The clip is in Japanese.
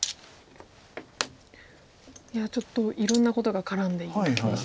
いやちょっといろんなことが絡んでいって。